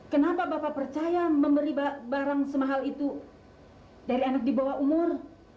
kenapa bapak percaya memberi bahan barang semahal itu dari anak dibawah umur